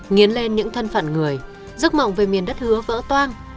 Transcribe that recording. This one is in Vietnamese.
nghiến lên những thân phận người giấc mộng về miền đất hứa vỡ toan